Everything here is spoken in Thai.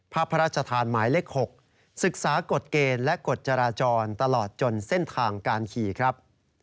พระราชทานหมายเลข๖ศึกษากฎเกณฑ์และกฎจราจรตลอดจนเส้นทางการขี่ครับ